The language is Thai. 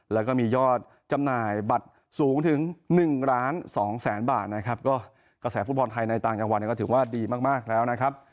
แล้วก็มียอดจำหน่ายบัตรสูงถึงหนึ่งล้านสองแสนบาทนะครับก็กระแสฟุตบอลไทยในต่างจังหวัดเนี่ยก็ถือว่าดีมากมากแล้วนะครับ